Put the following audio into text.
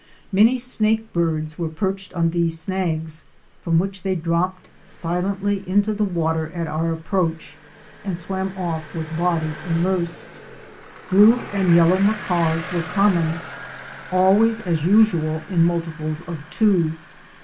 Many Snake birds * were perched on these snags, from which they dropped silently into the water at our approach and swam off with body immersed. Blue and Yellow Macaws*' were common — always as usual in multiples of two.